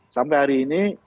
sampai hari ini